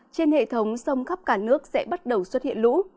trên hệ thống sông khắp cả nước sẽ bắt đầu xuất hiện lũ